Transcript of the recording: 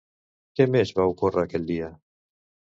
Què més va ocórrer aquell dia?